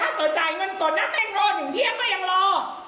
แต่ถ้าต่อจ่ายเงินสดนะแม่งรอถึงเที่ยงก็ยังรอ